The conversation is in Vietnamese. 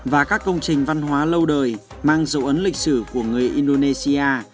và các công trình văn hóa lâu đời mang dấu ấn lịch sử của người indonesia